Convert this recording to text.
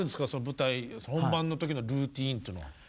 舞台本番の時のルーティーンっていうのは。